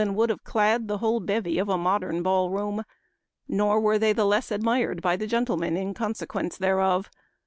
would have clad the whole bevy of a modern ball room. Nor were they the less admired by the gentlemen in consequence thereof.